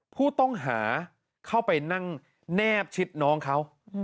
ผู้ต้องหาเข้าไปนั่งแนบชิดน้องเขา